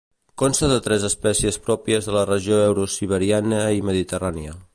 Consta de tres espècies pròpies de la regió eurosiberiana i mediterrània.